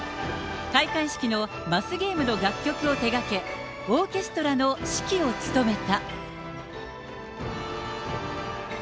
開会式のマスゲームの楽曲を手がけ、オーケストラの指揮を務めた。